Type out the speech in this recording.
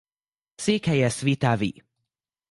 Székhelye Svitavy.